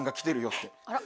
って。